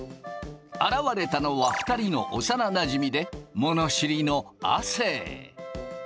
現れたのは２人の幼なじみで物知りの亜生。